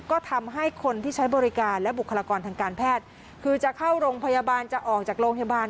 ก็ทำให้คนที่ใช้บริการและบุคลากรทางการแพทย์คือจะเข้าโรงพยาบาลจะออกจากโรงพยาบาล